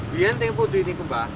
biarin yang putih ini ke mbah